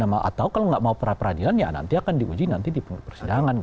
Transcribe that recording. atau kalau nggak mau peradilan ya nanti akan diuji nanti di persidangan